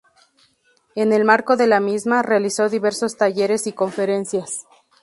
En el marco de la misma, realizó diversos talleres y conferencias.